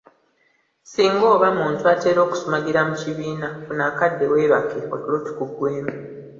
Singa oba muntu atera okusumagira mu kibiina, funa akadde weebake otulo tukuggweemu.